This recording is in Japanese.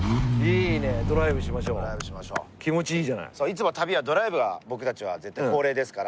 いつも旅はドライブが僕たちは絶対恒例ですから。